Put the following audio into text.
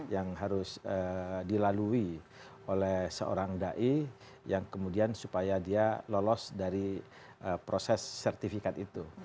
yang harus dilalui oleh seorang dai yang kemudian supaya dia lolos dari proses sertifikat itu